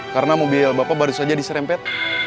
karena mobil bapak baru saja diserempet